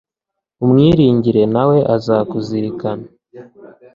umwiringire na we azakuzirikana